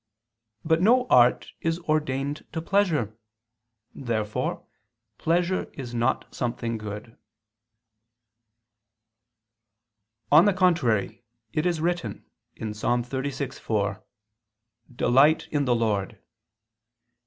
But no art is ordained to pleasure. Therefore pleasure is not something good. On the contrary, It is written (Ps. 36:4): "Delight in the Lord."